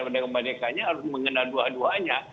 mendamaikannya harus mengenal dua duanya